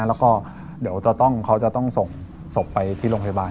แล้วก็เดี๋ยวเขาจะต้องส่งศพไปที่โรงพยาบาล